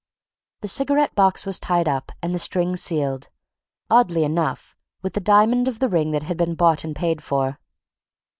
The cigarette box was tied up, and the string sealed, oddly enough, with the diamond of the ring that had been bought and paid for.